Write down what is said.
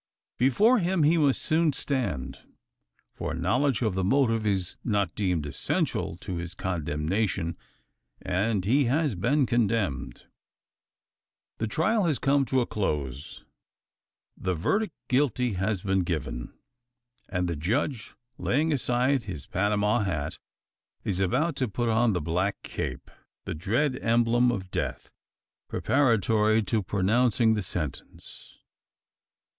Before Him he must soon stand: for a knowledge of the motive is not deemed essential to his condemnation, and he has been condemned. The trial has come to a close; the verdict Guilty has been given; and the judge, laying aside his Panama hat, is about to put on the black cap that dread emblem of death preparatory to pronouncing the sentence.